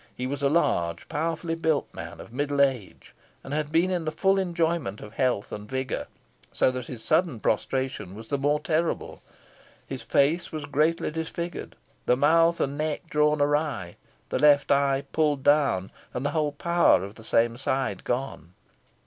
He was a large, powerfully built man, of middle age, and had been in the full enjoyment of health and vigour, so that his sudden prostration was the more terrible. His face was greatly disfigured, the mouth and neck drawn awry, the left eye pulled down, and the whole power of the same side gone.